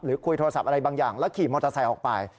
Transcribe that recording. คุยโทรศัพท์อะไรบางอย่างแล้วขี่มอเตอร์ไซค์ออกไป